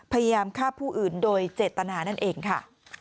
พยายามฆ่าผู้อื่นโดยเจตนานั่นเองค่ะ